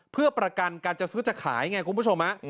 เพื่อประกันการจะซื้อจะขายไงคุณผู้ชม